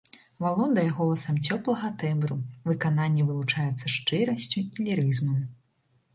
Валодае голасам цёплага тэмбру, выкананне вылучаецца шчырасцю і лірызмам.